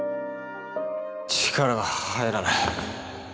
力が入らない。